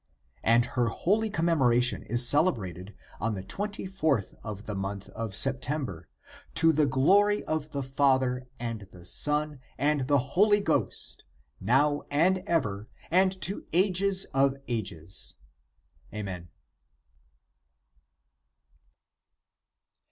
And her holy commemoration is celebrated on the twenty fourth of the month of September, to the glory of the Father, and the Son, and the Holy Ghost, now and ever, and to ages of ages. Amen."